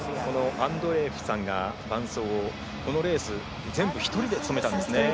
アンドレエフさんがこのレース、全部一人で務めたんですね。